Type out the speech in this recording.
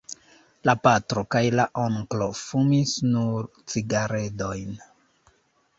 La patro kaj la onklo fumis nur cigaredojn.